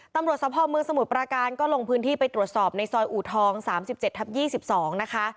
ตำรวจสภาพเมืองสมุทรปราการก็ลงพื้นที่ไปตรวจสอบในซอยอูทอง๓๗ทับ๒๒นะคะ